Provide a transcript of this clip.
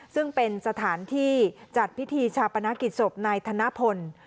ซึ่งเป็นสถานที่จัดพิธีชาปนกิจศพนายธนพล